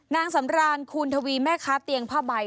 นางสำรานคูณทวีแม่ค้าเตียงผ้าใบ